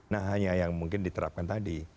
nah hanya yang mungkin diterapkan tadi